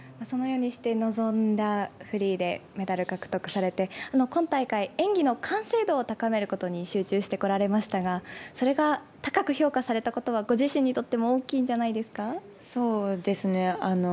そのようにして臨んだフリーでメダル獲得されて今大会、演技の完成度を高めることに集中してこられましたが、それが高く評価されたことはご自身にとってもそうですね。